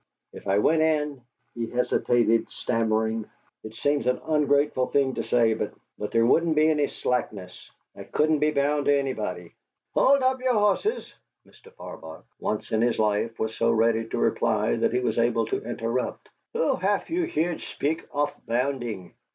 If I went in " He hesitated, stammering. "It seems an ungrateful thing to say, but but there wouldn't be any slackness I couldn't be bound to anybody " "Holt up your hosses!" Mr. Farbach, once in his life, was so ready to reply that he was able to interrupt. "Who hef you heert speak off bounding?